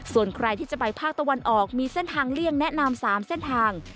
ส่วนใครที่จะไปภาคตะวันออกมีเส้นทางเลี่ยงแนะนำ๓เส้นทาง